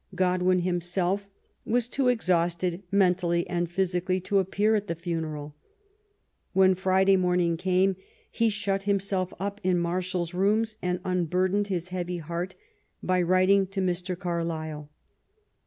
Godwin himself was too exhausted mentally and physi cally to appear at the funeral. When Friday morning came he shut himself up in Marshal's rooms and un burdened his heavy heart by writing to Mr. Carlisle.